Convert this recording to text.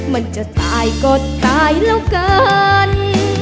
มันจะตายก็ตายแล้วเกิน